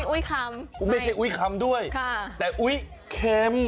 อุ๊ยคำอุ้ยไม่ใช่อุ้ยคำด้วยค่ะแต่อุ๊ยเค็ม